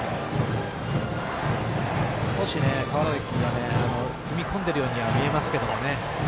少し川原崎君が踏み込んでいるように見えますけどね。